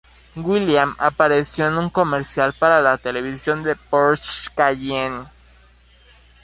William apareció en un comercial para la televisión de "Porsche Cayenne".